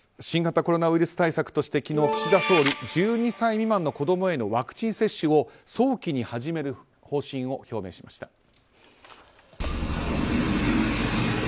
新型コロナウイルス対策として昨日、岸田総理１２歳未満の子供へのワクチン接種を早期に始める方針を表明しました。